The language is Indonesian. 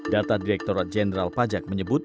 data direkturat jenderal pajak menyebut